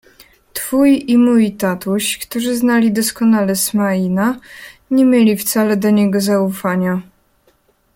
Twój i mój tatuś, którzy znali doskonale Smaina, nie mieli wcale do niego zaufania.